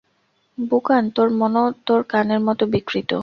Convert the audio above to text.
বুকান, তোর মনও তোর কানের মতো বিকৃত।